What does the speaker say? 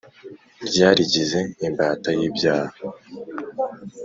Ryarigize imbata y’ibyaha